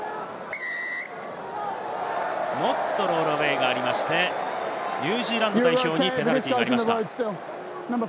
ノットロールアウェイがありまして、ニュージーランド代表にペナルティーがありました。